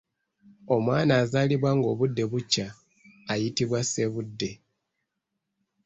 Omwana azaalibwa nga obudde bukya ayitibwa Ssebudde.